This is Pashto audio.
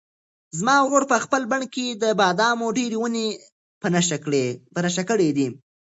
زما ورور په خپل بڼ کې د بادامو ډېرې ونې په نښه کړې دي.